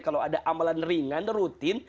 kalau ada amalan ringan rutin